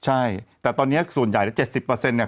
ใช่แต่ตอนนี้ส่วนใหญ่แล้ว๗๐เนี่ย